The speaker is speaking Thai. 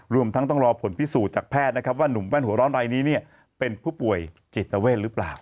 รวมทั้งต้องรอผลพิสูจน์จากแพทย์นะครับว่านุ่มแว่นหัวร้อนรายนี้เป็นผู้ป่วยจิตเวทหรือเปล่า